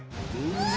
うわ！